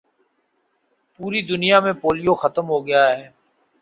پوری دنیا میں پولیو ختم ہو گیا ہے